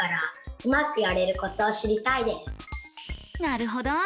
なるほど。